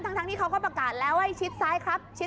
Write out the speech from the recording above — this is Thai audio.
ทั้งที่เขาก็ประกาศแล้วให้ชิดซ้ายครับ